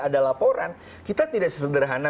ada laporan kita tidak sesederhana